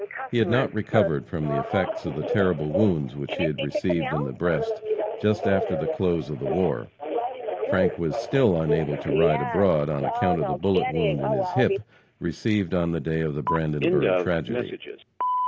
He had not recovered from the effects of the terrible wounds which he had received in the breast just after the close of the war. Frank was still unable to ride abroad on account of the bullet wound in his hip received on the day of the Brandenburg tragedy.